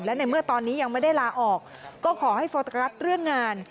และในเมื่อตอนนี้ยังไม่ได้ลาออกก็ขอให้โฟกัสเรื่องงาน